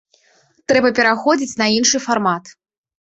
Трэба пераходзіць на іншы фармат.